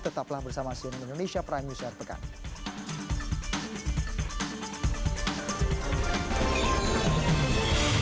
tetaplah bersama saya di indonesia prime news hari pekan